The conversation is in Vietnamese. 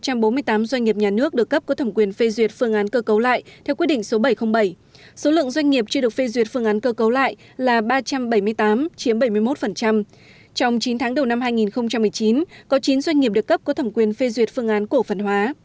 cơ cấu lại là ba trăm bảy mươi tám bảy mươi một trong chín tháng đầu năm hai nghìn một mươi chín có chín doanh nghiệp được cấp có thẩm quyền phê duyệt phương án cổ phần hóa